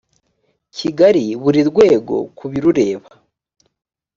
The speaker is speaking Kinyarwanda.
kigali buri rwego ku birureba